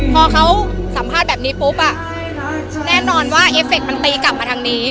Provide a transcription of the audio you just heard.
พอเขาสัมภาษณ์แบบนี้ปุ๊บอ่ะแน่นอนว่าเอฟเฟคมันตีกลับมาทางนี้